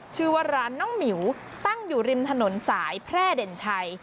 ชื่อว่าร้านน้องหมิวตั้งอยู่ริมถนนสายแพร่เด่นชัย